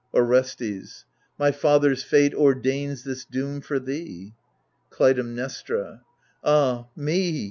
Orestes My father's fate ordains this doom for thee. Clytemnestra Ah me